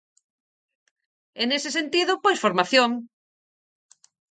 E nese sentido, pois formación.